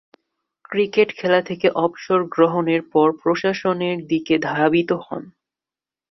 Cricket খেলা থেকে অবসর গ্রহণের পর প্রশাসনের দিকে ধাবিত হন।